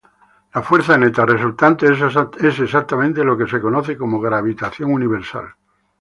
La fuerza neta resultante es exactamente lo que se conoce como gravitación universal.